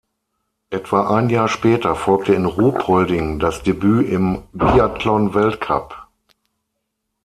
Etwa ein Jahr später folgte in Ruhpolding das Debüt im Biathlon-Weltcup.